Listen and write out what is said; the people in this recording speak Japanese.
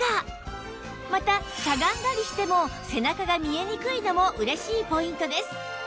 またしゃがんだりしても背中が見えにくいのも嬉しいポイントです